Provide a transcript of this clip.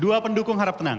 dua pendukung harap tenang